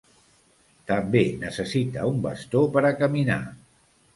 També necessita un bastó per a caminar.